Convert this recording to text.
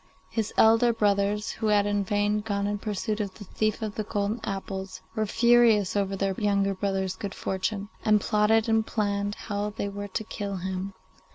His elder brothers, who had in vain gone in pursuit of the thief of the golden apples, were furious over their younger brother's good fortune, and plotted and planned how they were to kill him.